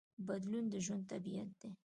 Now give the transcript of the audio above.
بدلون د ژوند طبیعت دی.